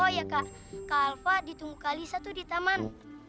oh iya kak kak alva ditunggu kalisa tuh di taman